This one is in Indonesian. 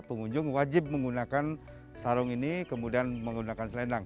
pengunjung wajib menggunakan sarung ini kemudian menggunakan selendang